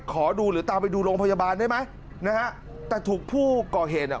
ขอดูหรือตามไปดูโรงพยาบาลได้ไหมนะฮะแต่ถูกผู้ก่อเหตุอ่ะ